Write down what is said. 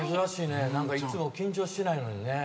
いつも緊張してないのにね。